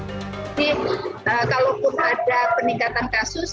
jadi kalaupun ada peningkatan kasus